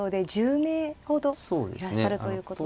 １０名ほどいらっしゃるということで。